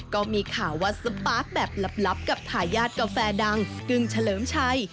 ก็มีข่าวว่าสปาร์คแบบลับกับทายาทกาแฟดังกึ้งเฉลิมชัย